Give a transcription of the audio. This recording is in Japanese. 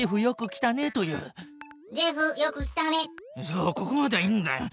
そうここまではいいんだよ。